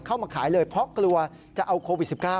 มาขายเลยเพราะกลัวจะเอาโควิด๑๙